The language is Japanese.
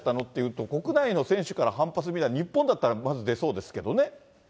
っていうと、国内の選手から反発、日本だったらまず出そうですけどね。